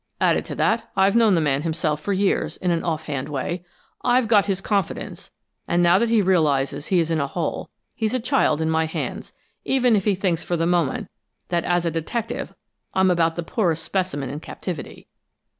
Added to that, I've known the man himself for years, in an offhand way. I've got his confidence, and now that he realizes he is in a hole, he's a child in my hands, even if he thinks for the moment that as a detective I'm about the poorest specimen in captivity.